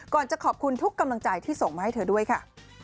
จะขอบคุณทุกกำลังใจที่ส่งมาให้เธอด้วยค่ะ